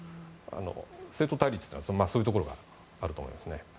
政党対立というのはそういうところがあると思いますね。